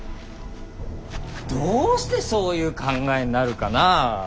どうしてそういう考えになるかな。